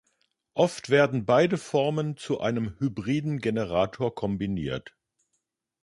Oft werden beide Formen zu einem hybriden Generator kombiniert.